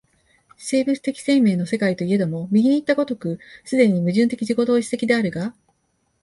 生物的生命の世界といえども、右にいった如く既に矛盾的自己同一的であるが、